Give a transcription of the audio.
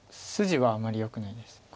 筋はあまりよくないです。